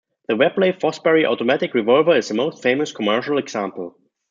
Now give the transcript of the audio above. The Webley-Fosbery Automatic Revolver is the most famous commercial example.